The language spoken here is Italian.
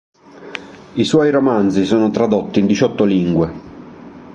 I suoi romanzi sono tradotti in diciotto lingue.